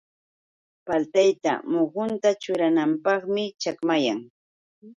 Paltaypa muhunta churananapqmi chakmayan.